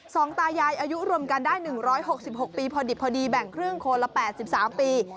สองตายายอายุรวมกันได้๑๖๖ปีพอดิบพอดีแบ่งครึ่งคนละ๘๓ปี